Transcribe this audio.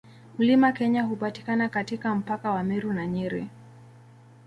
Mlima Kenya hupatikana katika mpaka wa Meru na Nyeri.